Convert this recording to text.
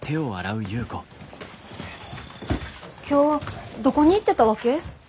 今日どこに行ってたわけ？